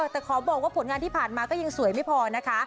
แต่ขอบอกว่าผลงานที่ผ่านมาก็ยังสวยไม่พอนะคะ